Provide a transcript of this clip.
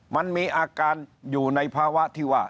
มันมีอาการอยู่ในภาวะที่ว่า